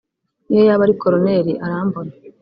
niyo yaba ari Colonel arambona